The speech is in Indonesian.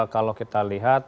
kalau kita lihat